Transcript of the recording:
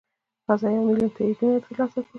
راځه یو میلیون تاییدونه ترلاسه کړو.